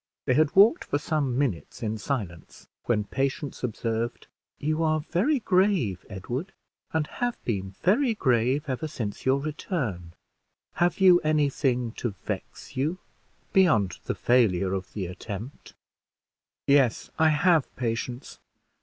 They had walked for some minutes in silence, when Patience observed, "You are very grave, Edward, and have been very grave ever since your return; have you any thing to vex you beyond the failure of the attempt." "Yes, I have, Patience.